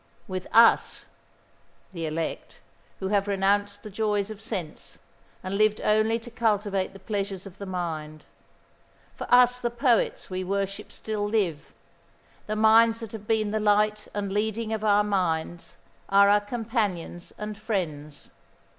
With Us, the elect, who have renounced the joys of sense, and lived only to cultivate the pleasures of the mind: for us the poets we worship still live, the minds that have been the light and leading of our minds are our companions and friends.